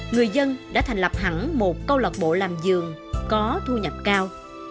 người dân đã thành lập hẳn một câu lọt bộ làm dường có thu nhập cao